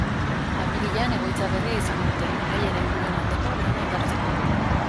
Apirilean egoitza berria izango dute, haien helburuen aldeko lana indartzeko.